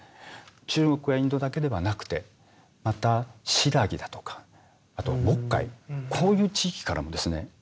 中国やインドだけではなくてまた新羅だとかあと渤海こういう地域からもですね